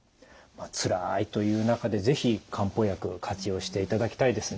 つらいという中で是非漢方薬活用していただきたいですね。